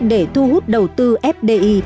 để thu hút đầu tư fdi